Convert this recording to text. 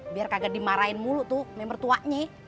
biar kagak dimarahin mulu tuh memertuaknya